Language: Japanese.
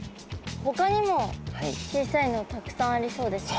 ほかにも小さいのたくさんありそうですね。